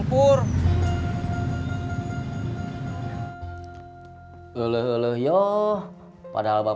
tu tidak makan